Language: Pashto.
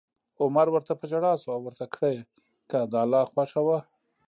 عمر ورته په ژړا شو او ورته کړه یې: که د الله خوښه وه